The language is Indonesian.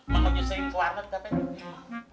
mang ojo sering keluarga